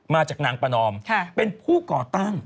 มาจากนางประนอมเป็นผู้ก่อตั้ง